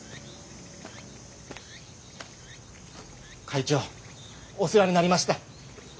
会長お世話になりました。